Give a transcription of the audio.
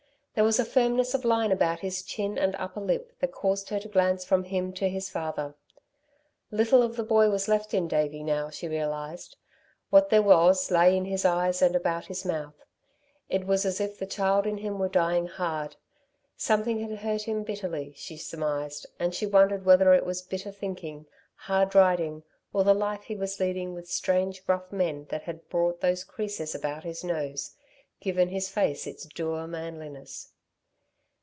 There was a firmness of line about his chin and upper lip that caused her to glance from him to his father. Little of the boy was left in Davey now, she realised. What there was lay in his eyes and about his mouth. It was as if the child in him were dying hard. Something had hurt him bitterly, she surmised, and she wondered whether it was bitter thinking, hard riding, or the life he was leading with strange, rough men that had brought those creases about his nose, given his face its dour manliness.